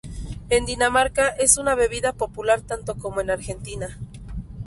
En Dinamarca es una bebida popular tanto como en Argentina.